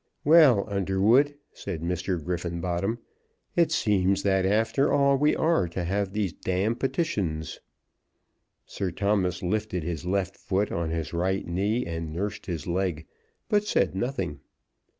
"Well, Underwood," said Mr. Griffenbottom, "it seems that after all we are to have these d petitions." Sir Thomas lifted his left foot on his right knee, and nursed his leg, but said nothing.